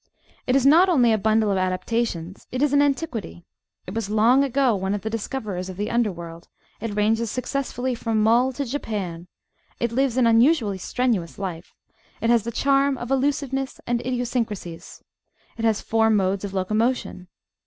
It is not only a bundle of adaptations, it is an antiquity; it was long ago one of the discoverers of the under world; it ranges successfully from Mull to Japan; it lives an unusually strenuous life; it has the charm of elusiveness and idiosyncrasies. It has four modes of locomotion.